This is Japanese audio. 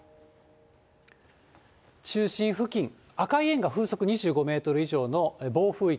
中心付近、赤い円が風速２５メートル以上の暴風域。